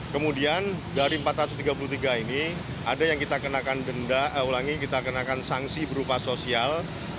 kemudian dari empat ratus tiga puluh tiga ini ada yang kita kenakan denda ulangi kita kenakan sanksi berupa sosial